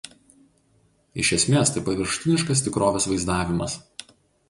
Iš esmės tai paviršutiniškas tikrovės vaizdavimas.